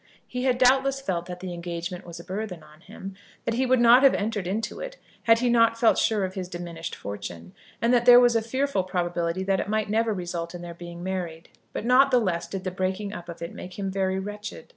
He had doubtless felt that the engagement was a burthen on him, that he would not have entered into it had he not felt sure of his diminished fortune, and that there was a fearful probability that it might never result in their being married; but not the less did the breaking up of it make him very wretched.